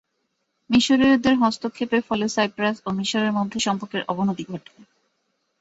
মিশরীয়দের হস্তক্ষেপের ফলে সাইপ্রাস ও মিশরের মধ্যে সম্পর্কের অবনতি ঘটে।